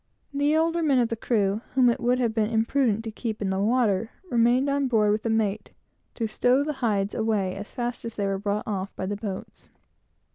The older men of the crew, whom it would have been dangerous to have kept in the water, remained on board with the mate, to stow the hides away, as fast as they were brought off by the boats.